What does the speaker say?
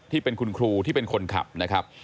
ที่เป็นคุณครูที่เป็นคนขับนะครับ